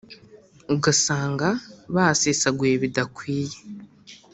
ugasanga basesaguye bidakwiye